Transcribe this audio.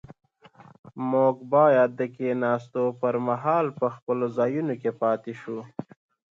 موږ باید د کښېناستو پر مهال په خپلو ځایونو کې پاتې شو.